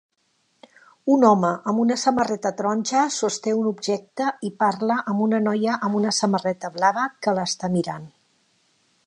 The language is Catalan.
Un home amb una samarreta taronja sosté un objecte i parla amb una noia amb una samarreta blava que l'està mirant